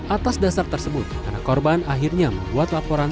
atas dasar tersebut anak korban akhirnya membuat laporan